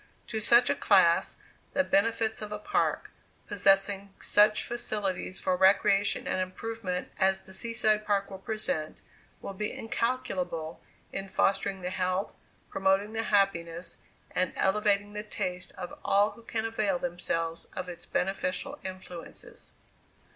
To such a class, the benefits of a Park, possessing such facilities for recreation and improvement as the Sea side Park will present, will be incalculable, in fostering the health, promoting the happiness, and elevating the taste of all who can avail themselves of its beneficial influences.